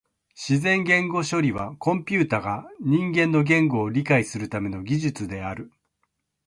自然言語処理はコンピュータが人間の言語を理解するための技術である。